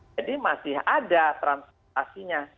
jadi masih ada transportasinya